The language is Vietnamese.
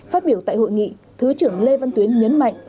phát biểu tại hội nghị thứ trưởng lê văn tuyến nhấn mạnh